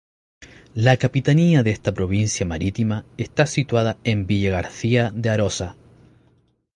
La capitanía de esta provincia marítima está situada en Villagarcía de Arosa.